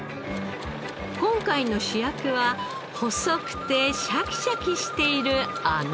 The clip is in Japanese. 今回の主役は細くてシャキシャキしているあの食材。